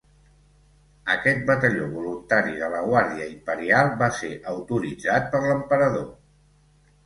Aquest batalló voluntari de la Guàrdia imperial va ser autoritzat per l'Emperador.